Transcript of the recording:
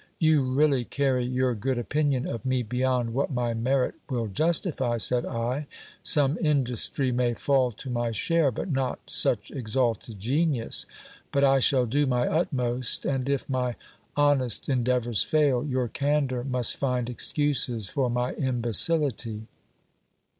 You really carry your good opinion of me beyond what my merit will justify, said I ; some industry may fall to my share, but not such exalted genius. But I shall do my utmost ; and if my hon est endeavours fail, your candour must find excuses for my imbecility.